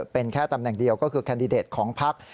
เป็นแค่ตำแหน่งเดียวก็คือแคนดิเดตของพัก